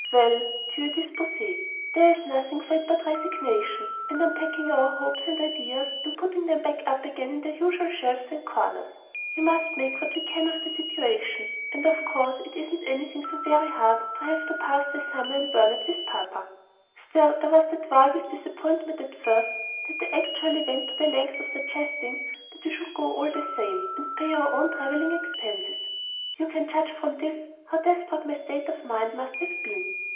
Well, Dieu dispose, there is nothing for it but resignation, and unpacking our hopes and ideas and putting them back again in their usual shelves and corners. We must make what we can of the situation, and of course, it isn't anything so very hard to have to pass the summer in Burnet with papa; still I was that wild with disappointment at the first, that I actually went the length of suggesting that we should go all the same, and pay our own travelling expenses! You can judge from this how desperate my state of mind must have been!